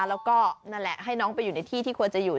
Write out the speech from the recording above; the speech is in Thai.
แล้วก็นั่นแหละให้น้องไปอยู่ในที่ที่ควรจะอยู่